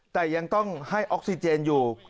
แต่ยังต้องให้ออกซิเจนอยู่